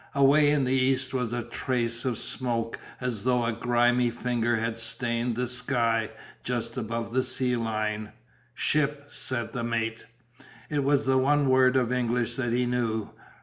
Away in the east was a trace of smoke as though a grimy finger had stained the sky just above the sea line. "Ship," said the mate. It was the one word of English that he knew.